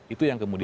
itu yang kemudian